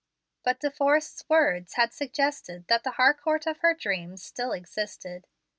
But De Forrest's words had suggested that the Harcourt of her dreams still existed.